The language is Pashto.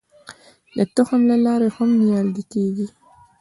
د تخم له لارې هم نیالګي کیږي.